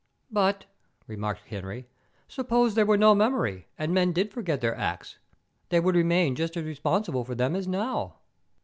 "But," remarked Henry, "suppose there were no memory, and men did forget their acts, they would remain just as responsible for them as now."